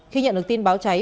khi nhận được tin báo cháy